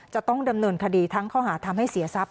จะต้องดำเนินคดีทั้งข้อหาทำให้เสียทรัพย